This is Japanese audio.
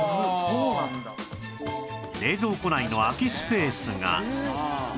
冷蔵庫内の空きスペースが